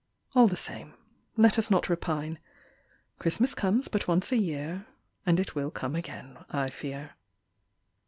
All the same, Let us not repine: Christmas comes but once a year, And it will come again, I fear.